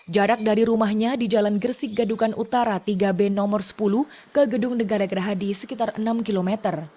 jarak dari rumahnya di jalan gersik gadukan utara tiga b nomor sepuluh ke gedung negara gerahadi sekitar enam km